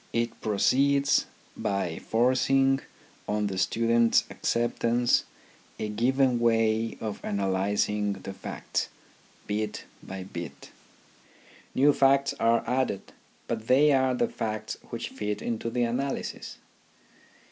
It proceeds by forcing on the students' acceptance a given way of analysing the facts, bit by bit. New facts are 12 THE RHYTHM OF EDUCATION added, but they are the facts which fit into the analysis.